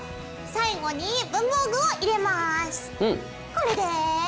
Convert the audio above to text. これで。